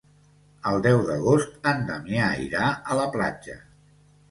El deu d'agost en Damià irà a la platja.